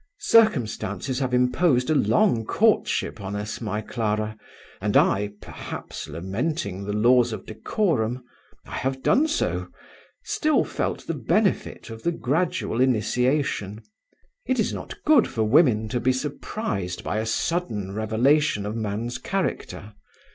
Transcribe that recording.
"Circumstances have imposed a long courtship on us, my Clara; and I, perhaps lamenting the laws of decorum I have done so! still felt the benefit of the gradual initiation. It is not good for women to be surprised by a sudden revelation of man's character.